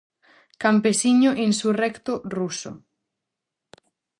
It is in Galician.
Campesiño insurrecto ruso.